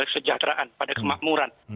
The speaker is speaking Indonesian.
pada kesejahteraan pada kemakmuran